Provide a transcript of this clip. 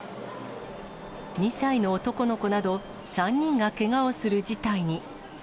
２歳の男の子など３人がけがをする事態に。